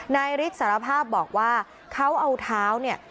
นายฤทธิ์สารภาพบอกว่าเขาเอาเท้าเนี่ย